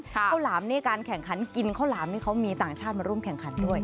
ข้าวหลามนี่การแข่งขันกินข้าวหลามนี่เขามีต่างชาติมาร่วมแข่งขันด้วย